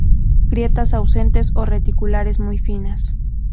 Grietas ausentes o reticulares muy finas.